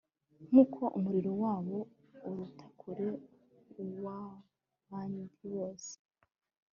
nk'uko umurimo wabo uruta kure uw'abandi bose